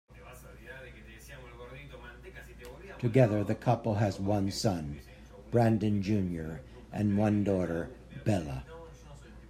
Together the couple has one son, Brandon Junior and one daughter, Bella.